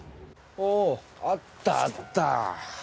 おおあったあった。